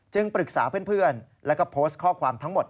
ปรึกษาเพื่อนแล้วก็โพสต์ข้อความทั้งหมด